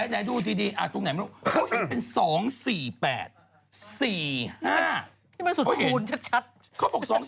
เลี่ยงออก